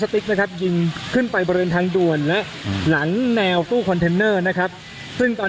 ทางกลุ่มมวลชนทะลุฟ้าทางกลุ่มมวลชนทะลุฟ้า